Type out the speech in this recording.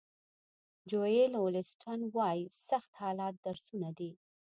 جویل اولیسټن وایي سخت حالات درسونه دي.